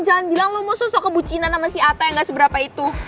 jangan bilang lu mau sosok kebucinan sama si ata yang gak seberapa itu